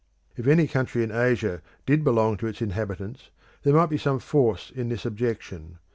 If any country in Asia did belong to its inhabitants, there might be some force in this objection.